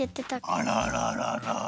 あらららら。